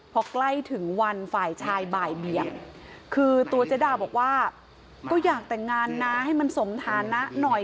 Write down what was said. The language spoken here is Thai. พอใกล้ถึงวันฝ่ายชายบ่ายเบียงคือตัวเจ๊ดาบอกว่าก็อยากแต่งงานนะให้มันสมฐานะหน่อย